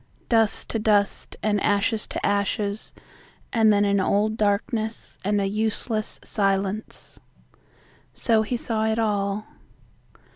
Dust to dust and ashes to ashes and then an old darkness and a useless silence. So he saw it all.